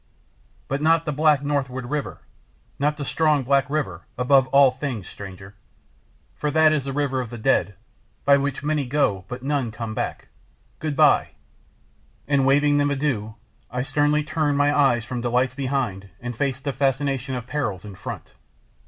But not the black northward river! Not the strong, black river, above all things, stranger! For that is the River of the Dead, by which many go but none come back. Goodbye!" And waving them adieu, I sternly turned my eyes from delights behind and faced the fascination of perils in front.